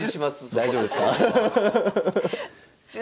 大丈夫ですか？